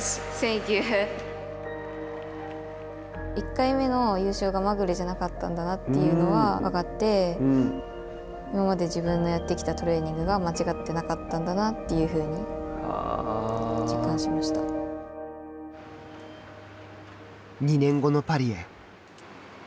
１回目の優勝がまぐれじゃなかったんだというのが分かって、今まで自分のやってきたトレーニングが間違ってなかったんだなというふうに２年後のパリへ。